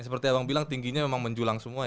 seperti abang bilang tingginya memang menjulang semua ya